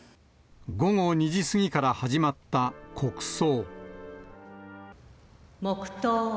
午後２時過ぎから始まった国葬。